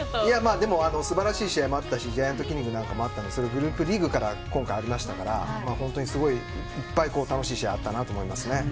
でも素晴らしい試合もあったしジャイアントキリングもあったりグループリーグからありましたから本当にすごいいっぱい楽しい試合があったなと思いますね。